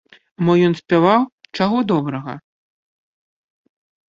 А мо ён спяваў, чаго добрага?